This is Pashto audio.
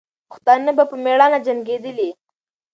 پښتانه به په میړانه جنګېدلې.